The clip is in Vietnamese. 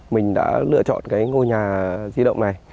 mình đã lựa chọn ngôi nhà di động này